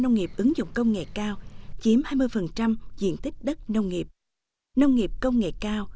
nông nghiệp ứng dụng công nghệ cao chiếm hai mươi diện tích đất nông nghiệp nông nghiệp công nghệ cao